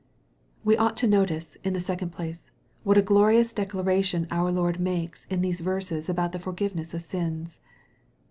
We ought to notice, in the second place, what a glori ous declaration our Lord makes in these verses about the forgiveness of sins.